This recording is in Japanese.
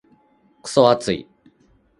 クソ暑い。